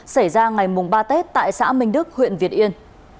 xảy ra ngày ba tết tại xã minh đức huyện việt yên